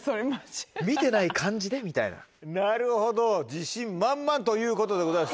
なるほど自信満々ということでございます。